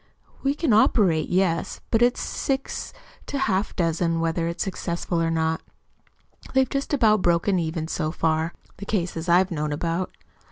"We can operate yes; but it's six to half a dozen whether it's successful or not. They've just about broken even so far the cases I've known about.